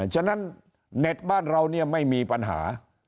ฉะนั้นเน็ตบ้านเราเนี่ยไม่มีปัญหา